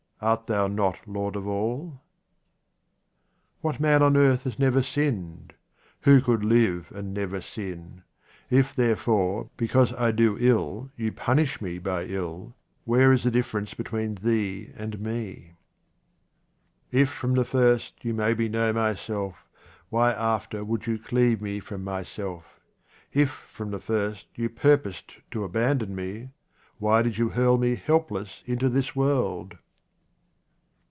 Art Thou not Lord of all ? What man on earth has never sinned ? Who could live and never sin ? If, therefore, because I do ill you punish me by ill, where is the difference between Thee and me ? If from the first you made me know myself, why after would you cleave me from myself ? If from the first you purposed to abandon me, why did you hurl me helpless into this world